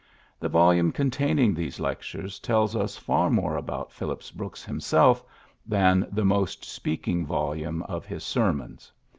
The volume containing these lectures tells us far more about Phillips Brooks himself than the most speaking volume of his sermons.